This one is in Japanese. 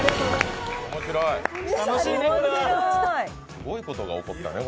すごいことが起こったね。